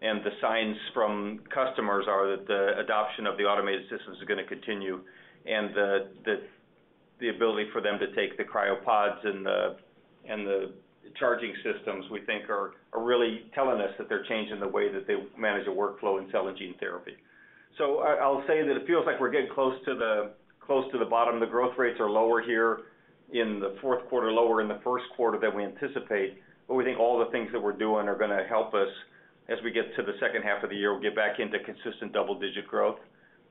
The signs from customers are that the adoption of the automated systems is gonna continue. The ability for them to take the CryoPod Carrier and the charging systems, we think are really telling us that they're changing the way that they manage a workflow in cell and gene therapy. I'll say that it feels like we're getting close to the bottom. The growth rates are lower here in the Q4, lower in the Q1 than we anticipate, but we think all the things that we're doing are gonna help us. As we get to the H2 of the year, we'll get back into consistent double-digit growth.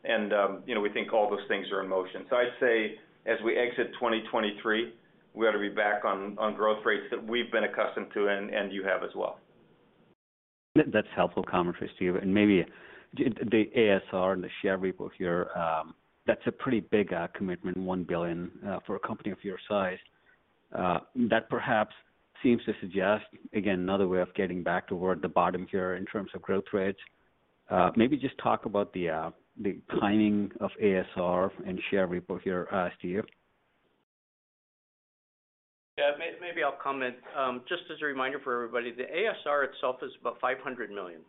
You know, we think all those things are in motion. I'd say as we exit 2023, we ought to be back on growth rates that we've been accustomed to, and you have as well. That's helpful commentary, Steve. Maybe the ASR and the share repo here, that's a pretty big commitment, $1 billion for a company of your size. That perhaps seems to suggest, again, another way of getting back toward the bottom here in terms of growth rates. Maybe just talk about the timing of ASR and share repo here, Stephen. Yeah, maybe I'll comment. Just as a reminder for everybody, the ASR itself is about $500 million.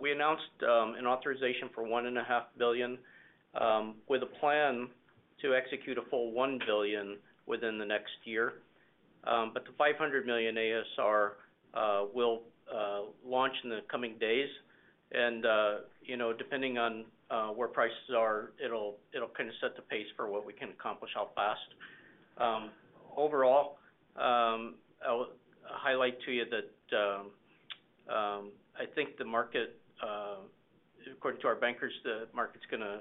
We announced an authorization for $1.5 billion with a plan to execute a full $1 billion within the next year. But the $500 million ASR will launch in the coming days. You know, depending on where prices are, it'll kind of set the pace for what we can accomplish how fast. Overall, I'll highlight to you that I think the market, according to our bankers, the market's gonna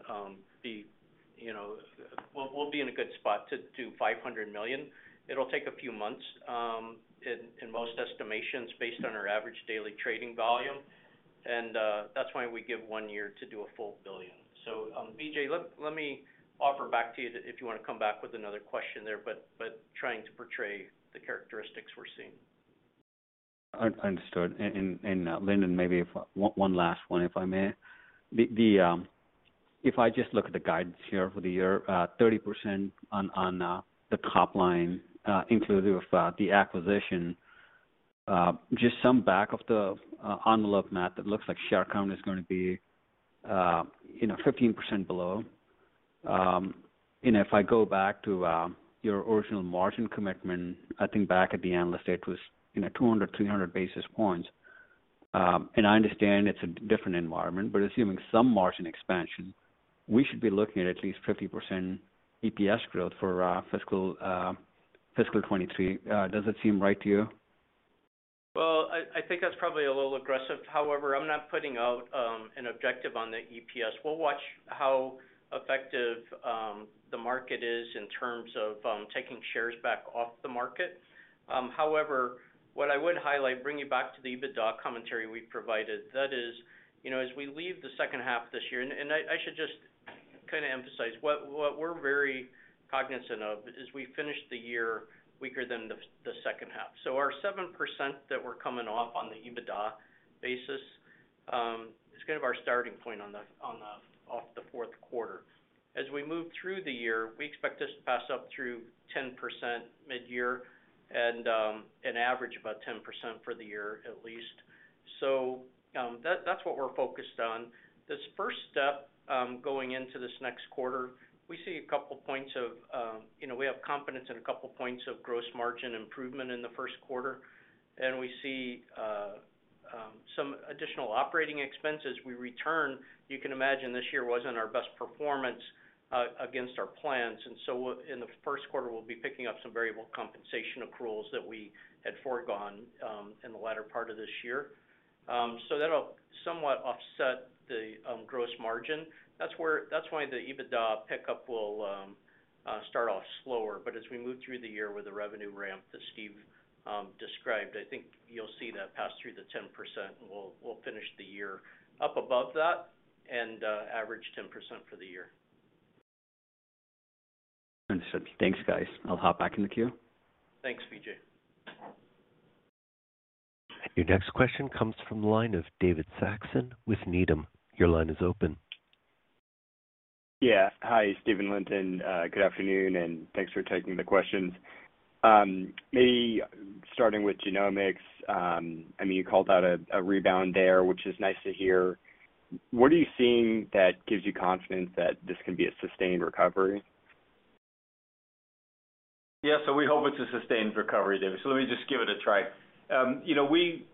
be, you know. We'll be in a good spot to $500 million. It'll take a few months in most estimations based on our average daily trading volume. That's why we give one year to do a full $1 billion. Vijay, let me offer back to you if you wanna come back with another question there, but trying to portray the characteristics we're seeing. Understood. Lindon, one last one, if I may. If I just look at the guidance here for the year, 30% on the top line, inclusive of the acquisition, just some back-of-the-envelope math, it looks like share count is gonna be, you know, 15% below. If I go back to your original margin commitment, I think back at the Analyst Day, it was, you know, 200 basis points to 300 basis points. I understand it's a different environment, but assuming some margin expansion, we should be looking at at least 50% EPS growth for fiscal 2023. Does it seem right to you? Well, I think that's probably a little aggressive. However, I'm not putting out an objective on the EPS. We'll watch how effective the market is in terms of taking shares back off the market. However, what I would highlight, bring you back to the EBITDA commentary we provided, that is, you know, as we leave the H2 this year. I should just kind of emphasize what we're very cognizant of as we finish the year weaker than the H2. Our 7% that we're coming off on the EBITDA basis is kind of our starting point off the Q4. As we move through the year, we expect this to pass up through 10% mid-year and an average of about 10% for the year at least. That's what we're focused on. This first step, going into this next quarter, you know, we have confidence in a couple points of gross margin improvement in the Q1, and we see some additional operating expenses we return. You can imagine this year wasn't our best performance against our plans. In the Q1, we'll be picking up some variable compensation accruals that we had foregone in the latter part of this year. That'll somewhat offset the gross margin. That's why the EBITDA pickup will start off slower.as we move through the year with the revenue ramp that Steve described, I think you'll see that pass through the 10%, and we'll finish the year up above that and average 10% for the year. Understood. Thanks, guys. I'll hop back in the queue. Thanks, Vijay. Your next question comes from the line of David Saxon with Needham. Your line is open. Yeah. Hi, Stephen and Lindon. Good afternoon, and thanks for taking the questions. Maybe starting with genomics, I mean, you called out a rebound there, which is nice to hear. What are you seeing that gives you confidence that this can be a sustained recovery? We hope it's a sustained recovery, David. Let me just give it a try. You know, we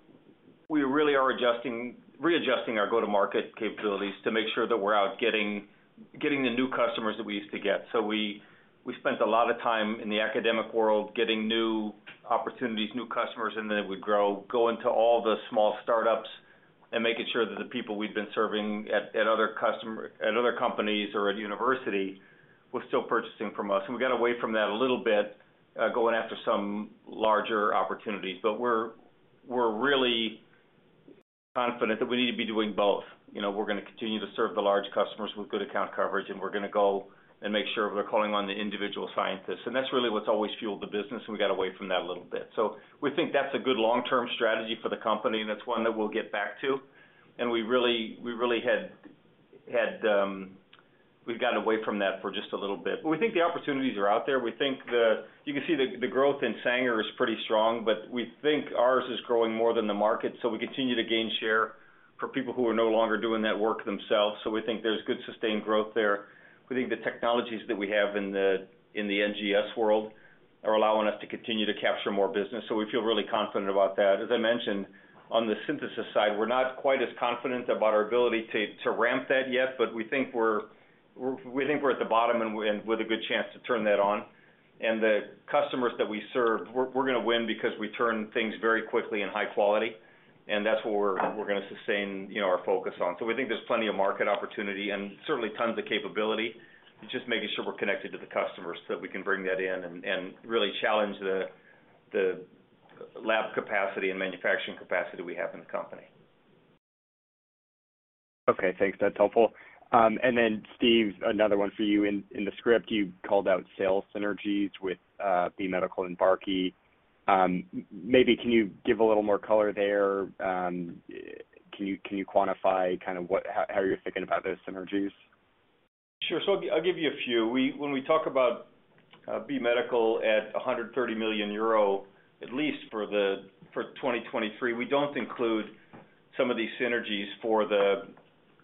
really are readjusting our go-to-market capabilities to make sure that we're out getting the new customers that we used to get. We spent a lot of time in the academic world getting new opportunities, new customers, and then it would grow into all the small startups and making sure that the people we've been serving at other companies or at university were still purchasing from us. We got away from that a little bit, going after some larger opportunities. We're really confident that we need to be doing both. You know, we're gonna continue to serve the large customers with good account coverage, and we're gonna go and make sure we're calling on the individual scientists. That's really what's always fueled the business, and we got away from that a little bit. We think that's a good long-term strategy for the company, and that's one that we'll get back to. We've gotten away from that for just a little bit. We think the opportunities are out there. We think you can see the growth in Sanger is pretty strong, but we think ours is growing more than the market, so we continue to gain share for people who are no longer doing that work themselves. We think there's good sustained growth there. We think the technologies that we have in the NGS world are allowing us to continue to capture more business, so we feel really confident about that. As I mentioned, on the synthesis side, we're not quite as confident about our ability to ramp that yet, but we think we're at the bottom and with a good chance to turn that on. The customers that we serve, we're gonna win because we turn things very quickly in high quality, and that's what we're gonna sustain, you know, our focus on. We think there's plenty of market opportunity and certainly tons of capability. Just making sure we're connected to the customers so that we can bring that in and really challenge the lab capacity and manufacturing capacity we have in the company. Okay, thanks. That's helpful. Steve, another one for you. In the script, you called out sales synergies with B Medical Systems and Barkey. Maybe can you give a little more color there? Can you quantify kind of how you're thinking about those synergies? Sure. I'll give you a few. We, when we talk about B Medical Systems at 130 million euro, at least for 2023, we don't include some of these synergies for the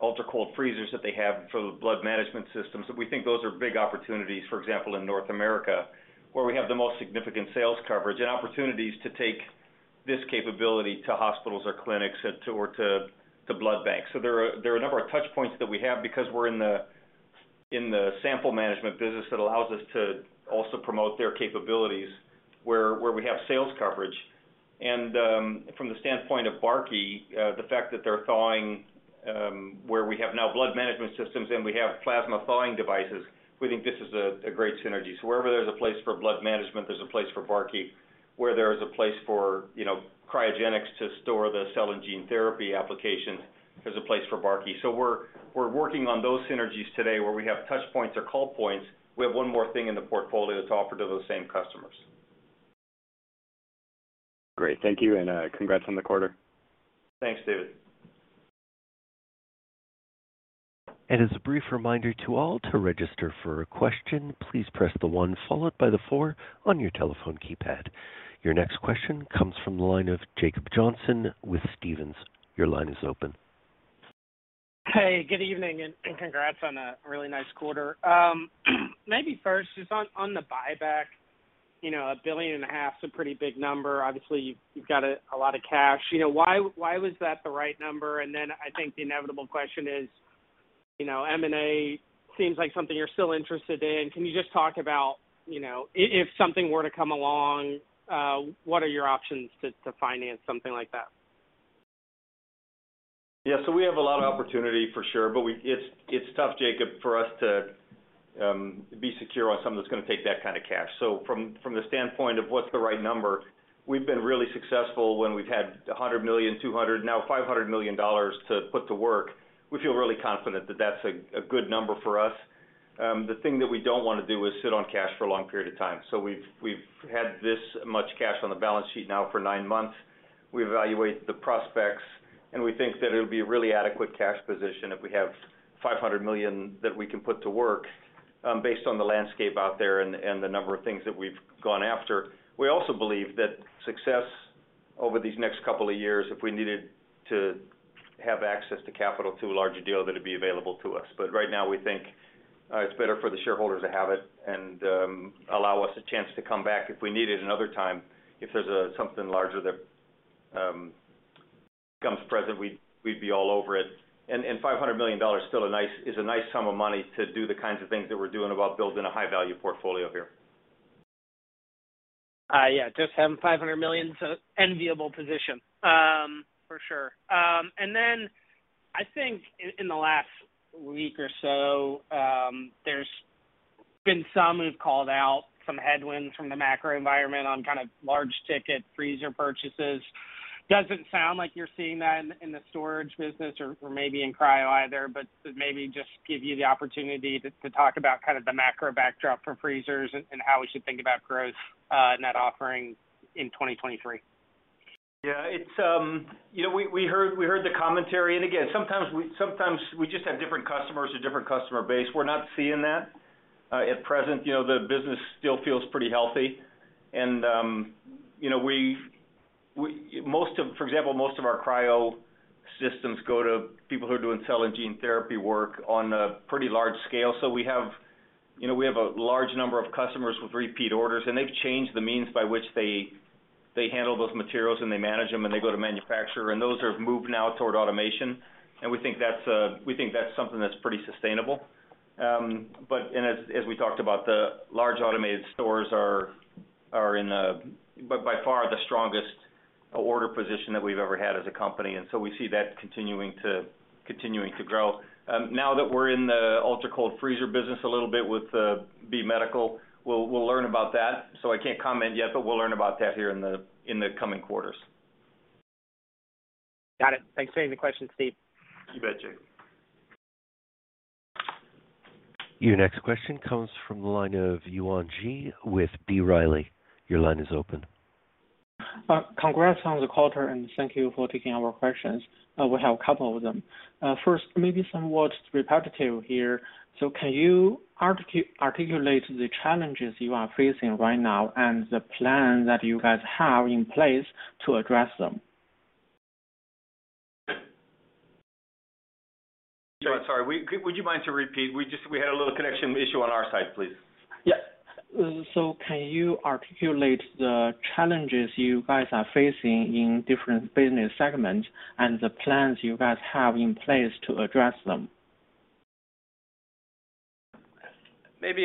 ultra-cold freezers that they have for the blood management systems. We think those are big opportunities, for example, in North America, where we have the most significant sales coverage and opportunities to take this capability to hospitals or clinics or to blood banks. There are a number of touch points that we have because we're in the sample management business that allows us to also promote their capabilities where we have sales coverage. From the standpoint of Barkey, the fact that they're thawing, where we have now blood management systems and we have plasma thawing devices, we think this is a great synergy. Wherever there's a place for blood management, there's a place for Barkey. Where there is a place for, you know, cryogenics to store the cell and gene therapy application, there's a place for Barkey. We're working on those synergies today where we have touch points or call points. We have one more thing in the portfolio to offer to those same customers. Great. Thank you, and congrats on the quarter. Thanks, David. As a brief reminder to all, to register for a question, please press one followed by four on your telephone keypad. Your next question comes from the line of Jacob Johnson with Stephens. Your line is open. Hey, good evening, and congrats on a really nice quarter. Maybe first, just on the buyback, you know, $1.5 billion is a pretty big number. Obviously, you've got a lot of cash. You know, why was that the right number? Then I think the inevitable question is, you know, M&A seems like something you're still interested in. Can you just talk about, you know, if something were to come along, what are your options to finance something like that? Yeah. We have a lot of opportunity for sure, but it's tough, Jacob, for us to be secure on something that's gonna take that kind of cash. From the standpoint of what's the right number, we've been really successful when we've had $100 million, $200, now $500 million to put to work. We feel really confident that that's a good number for us. The thing that we don't wanna do is sit on cash for a long period of time. We've had this much cash on the balance sheet now for nine months. We evaluate the prospects, and we think that it'll be a really adequate cash position if we have $500 million that we can put to work, based on the landscape out there and the number of things that we've gone after. We also believe that success over these next couple of years, if we needed to have access to capital for a larger deal, that it'd be available to us. Right now, we think it's better for the shareholders to have it and allow us a chance to come back if we need it another time. If there's something larger that presents, we'd be all over it. $500 million is still a nice sum of money to do the kinds of things that we're doing about building a high-value portfolio here. Yeah, just having $500 million is an enviable position, for sure. Then I think in the last week or so, there's been some who've called out some headwinds from the macro environment on kind of large-ticket freezer purchases. Doesn't sound like you're seeing that in the storage business or maybe in cryo either, but maybe just give you the opportunity to talk about kind of the macro backdrop for freezers and how we should think about growth in that offering in 2023. Yeah. It's, you know, we heard the commentary. Again, sometimes we just have different customers or different customer base. We're not seeing that at present. You know, the business still feels pretty healthy. For example, most of our cryo systems go to people who are doing cell and gene therapy work on a pretty large scale. So we have, you know, a large number of customers with repeat orders, and they've changed the means by which they handle those materials, and they manage them, and they go to manufacturer. Those have moved now toward automation, and we think that's something that's pretty sustainable. As we talked about, the large automated stores are by far the strongest order position that we've ever had as a company, and so we see that continuing to grow. Now that we're in the ultra-cold freezer business a little bit with B Medical Systems, we'll learn about that. I can't comment yet, but we'll learn about that here in the coming quarters. Got it. Thanks for taking the question, Steve. You bet, Jacob. Your next question comes from the line of Yuan Zhi with B. Riley. Your line is open. Congrats on the quarter, and thank you for taking our questions. We have a couple of them. First, maybe somewhat repetitive here. Can you articulate the challenges you are facing right now and the plan that you guys have in place to address them? Sorry, would you mind repeating? We just had a little connection issue on our side, please. Can you articulate the challenges you guys are facing in different business segments and the plans you guys have in place to address them? Maybe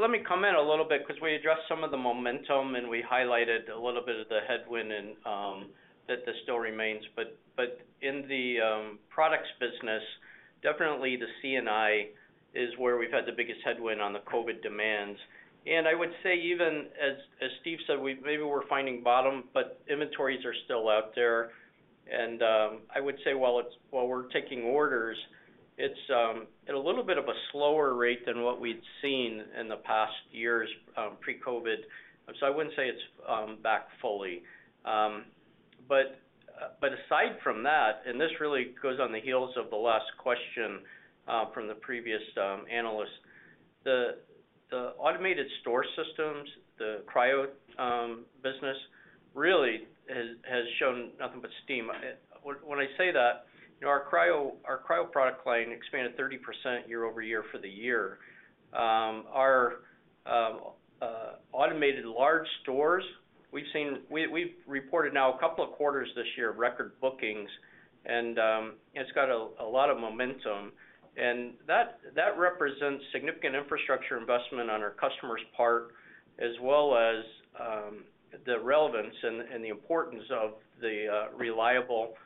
let me comment a little bit 'cause we addressed some of the momentum, and we highlighted a little bit of the headwind and that this still remains. In the products business, definitely the C&I is where we've had the biggest headwind on the COVID-19 demands. I would say even as Steve said, maybe we're finding bottom, but inventories are still out there. I would say while we're taking orders, it's at a little bit of a slower rate than what we'd seen in the past years pre-COVID-19. I wouldn't say it's back fully. Aside from that, this really goes on the heels of the last question from the previous analyst. The automated store systems, the cryo business really has shown nothing but steam. When I say that, you know, our cryo product line expanded 30% year-over-year for the year. Our automated large stores, we've reported now a couple of quarters this year of record bookings and it's got a lot of momentum. That represents significant infrastructure investment on our customers' part, as well as the relevance and the importance of the reliable infrastructure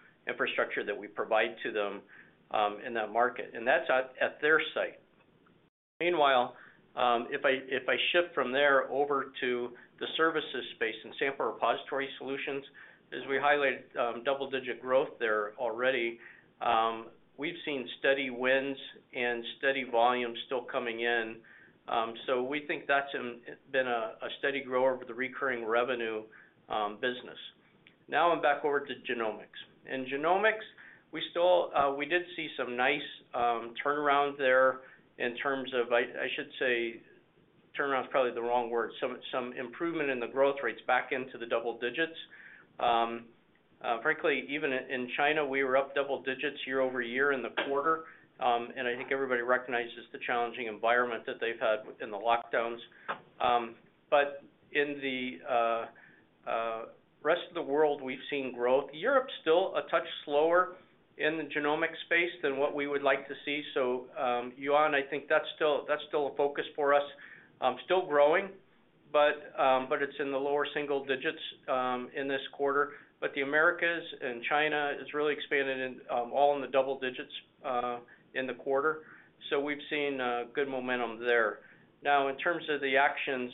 that we provide to them in that market. That's at their site. Meanwhile, if I shift from there over to the services space and Sample Repository Solutions, as we highlighted, double-digit growth there already. We've seen steady wins and steady volumes still coming in. We think that's been a steady grower with the recurring revenue business. Now I'm back over to genomics. In genomics, we still did see some nice turnaround there in terms of, I should say, turnaround is probably the wrong word. Some improvement in the growth rates back into the double digits. Frankly, even in China, we were up double digits year-over-year in the quarter. I think everybody recognizes the challenging environment that they've had in the lockdowns. In the rest of the world, we've seen growth. Europe's still a touch slower in the genomics space than what we would like to see. Yuan Zhi, I think that's still a focus for us. Still growing, but it's in the lower single digits in this quarter. The Americas and China has really expanded in all in the double digits in the quarter. We've seen good momentum there. Now, in terms of the actions,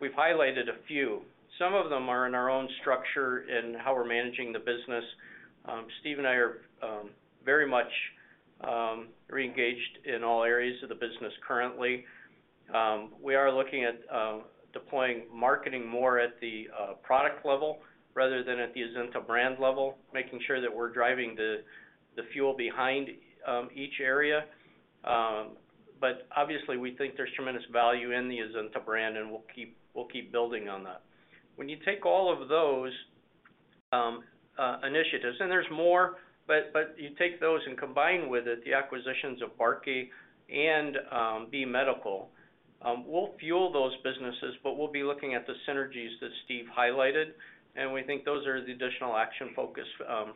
we've highlighted a few. Some of them are in our own structure in how we're managing the business. Stephen and I are very much re-engaged in all areas of the business currently. We are looking at deploying marketing more at the product level rather than at the Azenta brand level, making sure that we're driving the fuel behind each area. Obviously, we think there's tremendous value in the Azenta brand, and we'll keep building on that. When you take all of those initiatives, and there's more, but you take those and combine with it the acquisitions of Barkey and B Medical Systems, we'll fuel those businesses, but we'll be looking at the synergies that Steve highlighted, and we think those are the additional action focus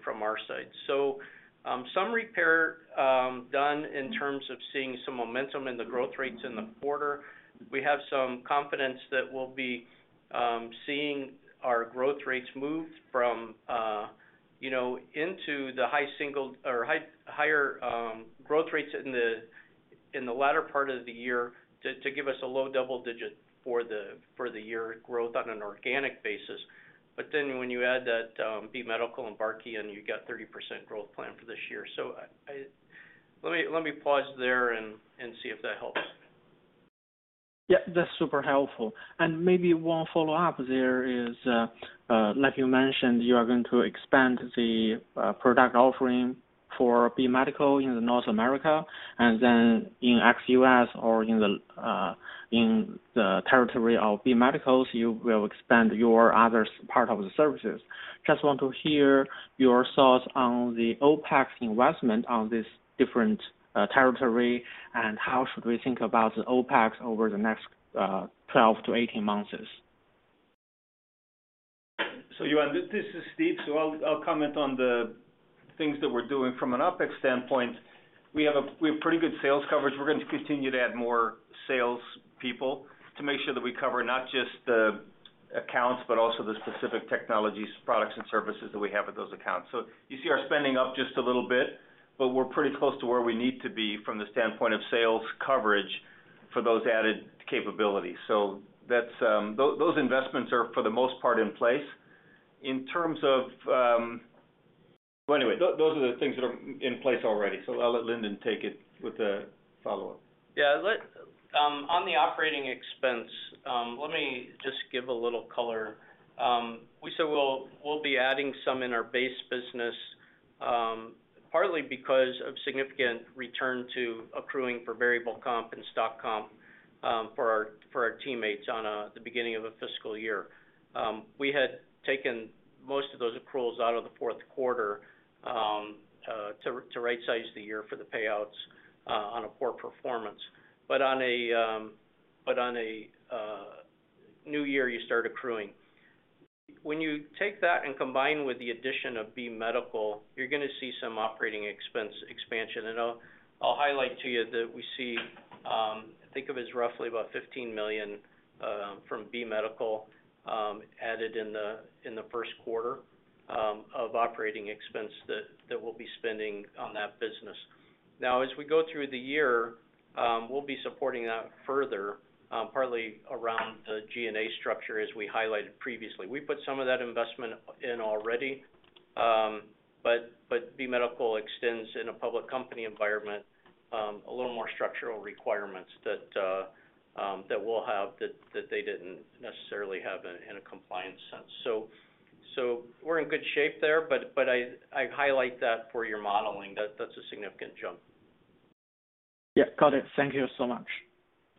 from our side. Some repair done in terms of seeing some momentum in the growth rates in the quarter. We have some confidence that we'll be seeing our growth rates move from, you know, into the high single or higher growth rates in the latter part of the year to give us a low double digit for the year growth on an organic basis.when you add that, B Medical Systems and Barkey, and you get 30% growth plan for this year. Let me pause there and see if that helps. Yeah, that's super helpful. Maybe one follow-up there is, like you mentioned, you are going to expand the product offering for B Medical Systems in North America, and then in ex-U.S. or in the territory of B Medical Systems, you will expand your other part of the services. Just want to hear your thoughts on the OpEx investment on this different territory, and how should we think about the OpEx over the next 12-18 months? Yuan, this is Stephen. I'll comment on the things that we're doing from an OPEX standpoint. We have pretty good sales coverage. We're going to continue to add more sales people to make sure that we cover not just the accounts, but also the specific technologies, products, and services that we have at those accounts. You see our spending up just a little bit, but we're pretty close to where we need to be from the standpoint of sales coverage for those added capabilities. That's those investments are, for the most part, in place. In terms of, well, anyway, those are the things that are in place already. I'll let Linden take it with the follow-up. Yeah. On the operating expense, let me just give a little color. We said we'll be adding some in our base business, partly because of significant return to accruing for variable comp and stock comp, for our teammates on the beginning of a fiscal year. We had taken most of those accruals out of the Q4 to rightsize the year for the payouts on a poor performance. On a new year, you start accruing. When you take that and combine with the addition B Medical Systems, you're gonna see some operating expense expansion. I'll highlight to you that we see. Think of it as roughly about $15 million from B Medical Systems added in the Q1 of operating expense that we'll be spending on that business. Now, as we go through the year, we'll be supporting that further, partly around the G&A structure as we highlighted previously. We put some of that investment in already, but B Medical Systems entails in a public company environment a little more structural requirements that we'll have, that they didn't necessarily have in a compliance sense. We're in good shape there, but I highlight that for your modeling. That's a significant jump. Yeah. Got it. Thank you so much.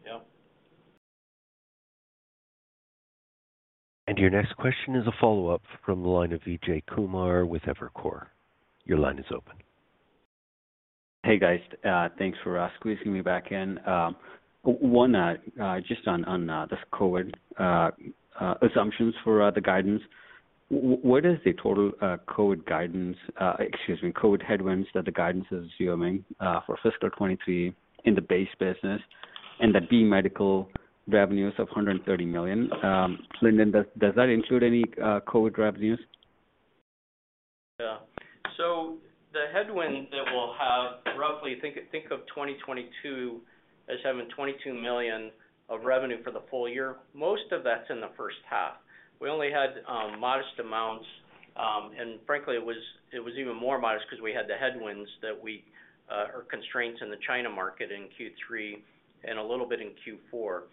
Yeah. Your next question is a follow-up from the line of Vijay Kumar with Evercore. Your line is open. Hey, guys. Thanks for squeezing me back in. One, just on this COVID-19 assumptions for the guidance. What is the total COVID-19 guidance, excuse me, COVID-19 headwinds that the guidance is assuming for FY2023 in the base business and B Medical Systems revenues of 130 million? Lindon, does that include any COVID-19 revenues? Yeah. The headwind that we'll have roughly, think of 2022 as having $22 million of revenue for the full year. Most of that's in the H1. We only had modest amounts, and frankly it was even more modest 'cause we had the headwinds or constraints in the China market in Q3 and a little bit in Q4.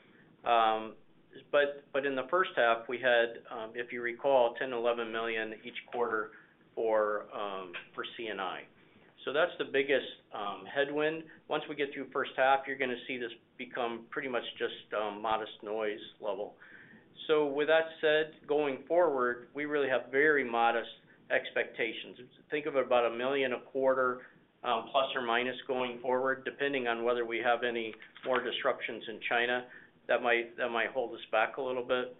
But in the H1 we had, if you recall, $10-$11 million each quarter for C&I. That's the biggest headwind. Once we get through H1, you're gonna see this become pretty much just modest noise level. With that said, going forward, we really have very modest expectations. Think of about $1 million a quarter, ± going forward, depending on whether we have any more disruptions in China that might hold us back a little bit.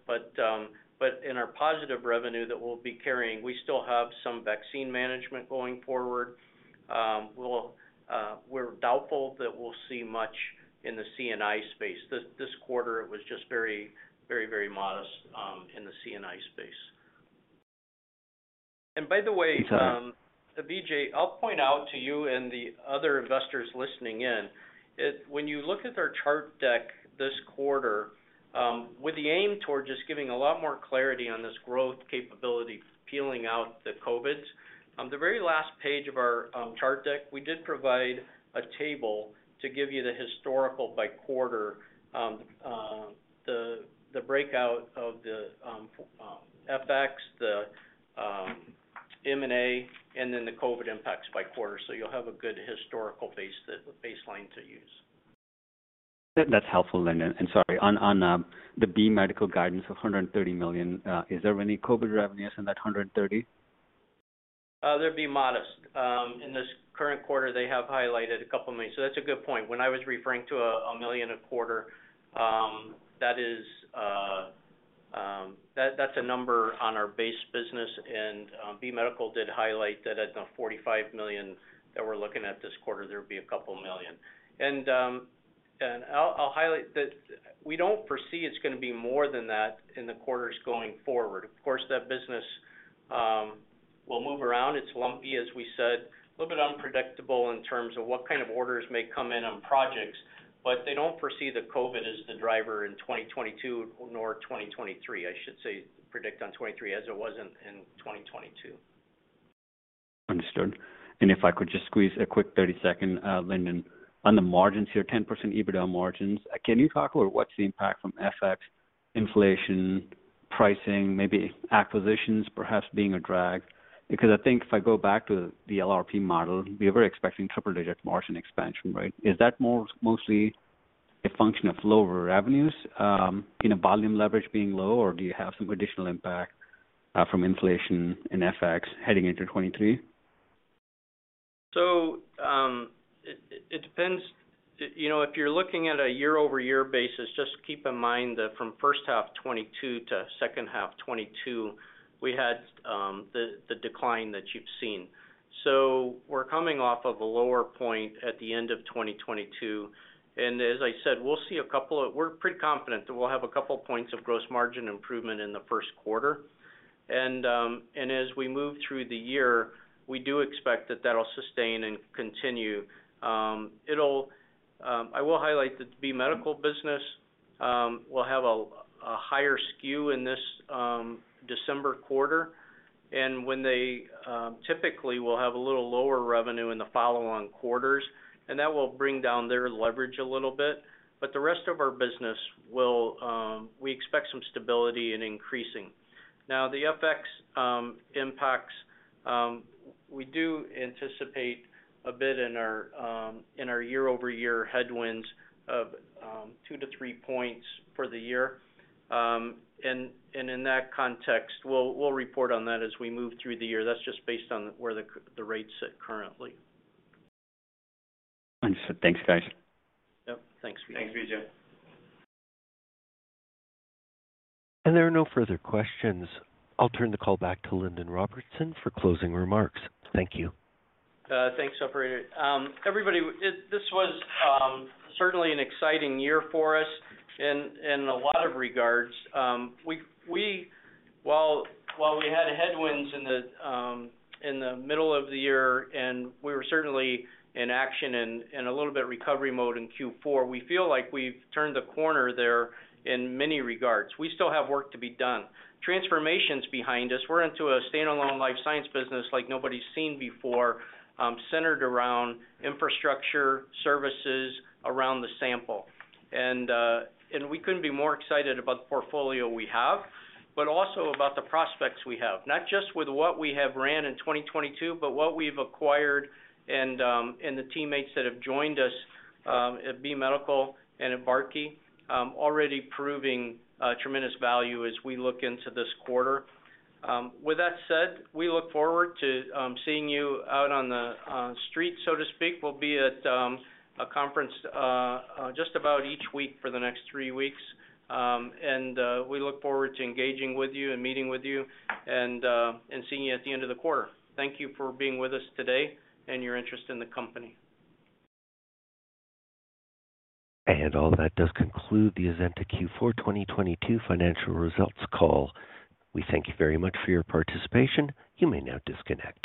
In our positive revenue that we'll be carrying, we still have some vaccine management going forward. We're doubtful that we'll see much in the C&I space. This quarter it was just very modest in the C&I space. By the way Vijay. Vijay, I'll point out to you and the other investors listening in. When you look at our chart deck this quarter, with the aim toward just giving a lot more clarity on this growth capability, peeling out the COVID-19. On the very last page of our chart deck, we did provide a table to give you the historical by quarter, the breakout of the FX, the M&A, and then the COVID-19 impacts by quarter. You'll have a good historical baseline to use. That's helpful, Lindon. Sorry, on B Medical Systems guidance of 130 million, is there any COVID-19 revenues in that 130 million? They'd be modest. In this current quarter, they have highlighted $2 million. That's a good point. When I was referring to $1 million a quarter, that is, that's a number on our base business. B Medical Systems did highlight that at the $45 million that we're looking at this quarter, there would be $2 million. I'll highlight that we don't foresee it's gonna be more than that in the quarters going forward. Of course, that business will move around. It's lumpy, as we said, a little bit unpredictable in terms of what kind of orders may come in on projects. They don't foresee that COVID-19 is the driver in 2022, nor in 2023, I should say, predict in 2023 as it was in 2022. Understood. If I could just squeeze a quick 30-second, Lindon. On the margins here, 10% EBITDA margins. Can you talk about what's the impact from FX inflation, pricing, maybe acquisitions perhaps being a drag? Because I think if I go back to the LRP model, we were expecting triple-digit margin expansion, right? Is that more mostly a function of lower revenues, you know, volume leverage being low, or do you have some additional impact from inflation and FX heading into 2023? It depends. You know, if you're looking at a year-over-year basis, just keep in mind that from H1 2022 to H2 2022, we had the decline that you've seen. We're coming off of a lower point at the end of 2022. As I said, we're pretty confident that we'll have a couple points of gross margin improvement in the Q1. As we move through the year, we do expect that that'll sustain and continue. I will highlight the B Medical Systems business will have a higher SKU in this December quarter. When they typically will have a little lower revenue in the follow-on quarters, that will bring down their leverage a little bit. The rest of our business will, we expect some stability and increasing. Now, the FX impacts, we do anticipate a bit in our year-over-year headwinds of 2%-3% for the year. In that context, we'll report on that as we move through the year. That's just based on where the rates sit currently. Understood. Thanks, guys. Yep. Thanks, Vijay. Thanks, Vijay. There are no further questions. I'll turn the call back to Lindon Robertson for closing remarks. Thank you. Thanks, operator. Everybody, this was certainly an exciting year for us in a lot of regards. While we had headwinds in the middle of the year, and we were certainly in reaction and a little bit recovery mode in Q4, we feel like we've turned the corner there in many regards. We still have work to be done. Transformation's behind us. We're into a standalone Life Sciences business like nobody's seen before, centered around infrastructure, services around the sample. We couldn't be more excited about the portfolio we have, but also about the prospects we have, not just with what we have ran in 2022, but what we've acquired and the teammates that have joined us B Medical Systems and Barkey, already proving tremendous value as we look into this quarter. With that said, we look forward to seeing you out on the street, so to speak. We'll be at a conference just about each week for the next three weeks. We look forward to engaging with you and meeting with you and seeing you at the end of the quarter. Thank you for being with us today and your interest in the company. All that does conclude the Azenta Q4 2022 financial results call. We thank you very much for your participation. You may now disconnect.